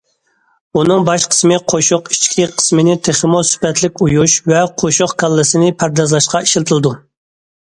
ئۇنىڭ باش قىسمى قوشۇق ئىچكى قىسمىنى تېخىمۇ سۈپەتلىك ئويۇش ۋە قوشۇق كاللىسىنى پەردازلاشقا ئىشلىتىلىدۇ.